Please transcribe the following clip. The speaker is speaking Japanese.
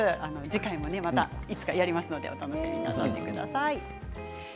次回またいつかやりますのでお楽しみになさってください。